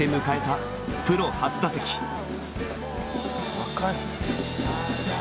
若い。